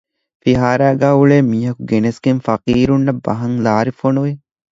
ފިހާރައިގައި އުޅޭ މީހަކު ގެނެސްގެން ފަޤީރުންނަށް ބަހަން ލާރި ފޮނުވި